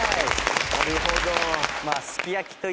なるほど。